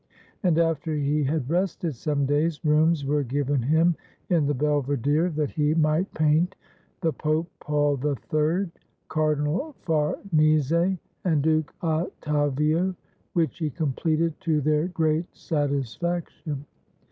And after he had rested some days, rooms were given him in the Belve dere that he might paint the Pope Paul III, Cardinal Farnese, and Duke Ottavio, which he completed to their great satisfaction.